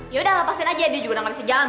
yaudah lepasin aja dia juga udah gak bisa jalan